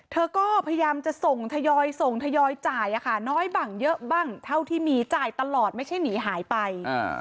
เธอก็พยายามจะส่งทยอยส่งทยอยจ่ายน้อยบ้างเยอะบ้างเท่าที่มีจ่ายตลอดไม่ใช่หนีหายไป